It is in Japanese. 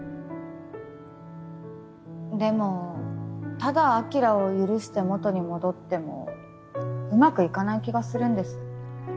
でもただ晶を許して元に戻ってもうまくいかない気がするんです。